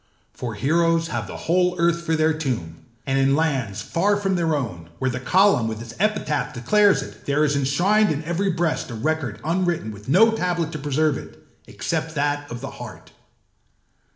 For heroes have the whole earth for their tomb; and in lands far from their own, where the column with its epitaph declares it, there is enshrined in every breast a record unwritten with no tablet to preserve it, except that of the heart.